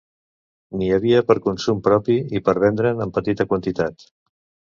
N'hi havia per consum propi i per vendre'n en petita quantitat.